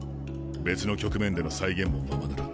別の局面での再現もままならん。